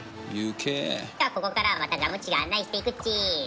ここからはまたガムッチが案内していくッチ。